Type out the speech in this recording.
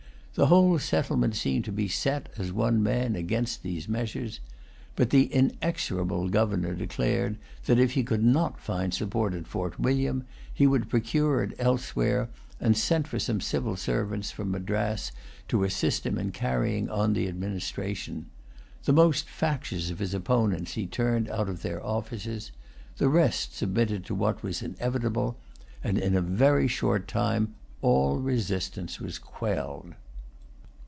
The whole settlement seemed to be set, as one man, against these measures. But the inexorable governor declared that, if he could not find support at Fort William, he would procure it elsewhere, and sent for some civil servants from Madras to assist him in carrying on the administration. The most factious of his opponents he turned out of their offices. The rest submitted to what was inevitable; and in a very short time all resistance was quelled.